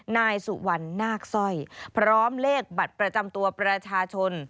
นายสุวรรณนาคสร้อยพร้อมเลขบัตรประจำตัวประชาชน